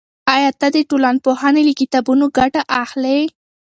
آیا ته د ټولنپوهنې له کتابونو ګټه اخلی؟